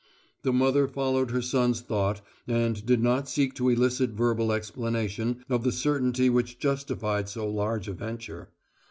The mother followed her son's thought and did not seek to elicit verbal explanation of the certainty which justified so large a venture.